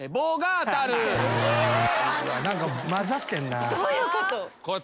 何か交ざってるな。